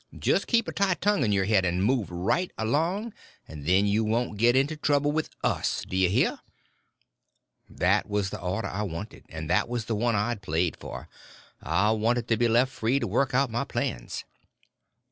Just keep a tight tongue in your head and move right along, and then you won't get into trouble with us, d'ye hear?" That was the order I wanted, and that was the one I played for. I wanted to be left free to work my plans.